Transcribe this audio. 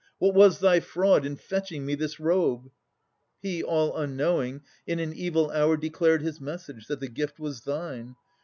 What was thy fraud in fetching me this robe?' He, all unknowing, in an evil hour Declared his message, that the gift was thine.